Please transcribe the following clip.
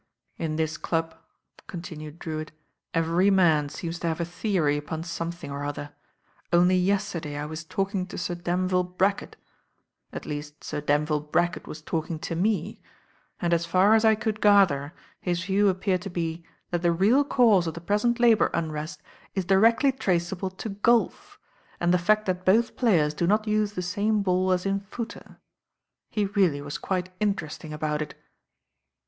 "In this club," continued Drewitt, "every man seems to have a theory upon something or other. Only yesterday I was talking to Sir Damville Brack ett, at least Sir Damville Brackett was talking to me, and as far as I could gather, his view appeared to be that the real cause of the present labour unrest is directly traceable to golf, and the fact that both players do not use the same ball as in footer. He really was quite interesting about it.